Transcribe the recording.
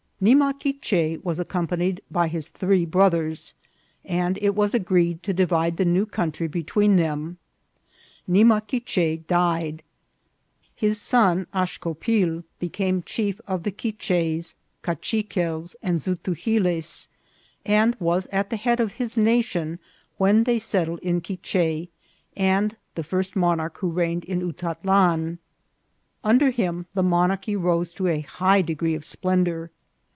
Nimaquiche was accompanied by his three brothers, and it was agreed to divide the new country between them. Nimaquiche died ; his son Axcopil became chief of the Quiches, Kachiquels, and Zutugiles, and was at the head of his nation when they settled in Quiche, and the first monarch who reigned in Utatlan. Under him HISTORY OF THE QUICHES. 173 the monarchy rose to a high degree of splendour.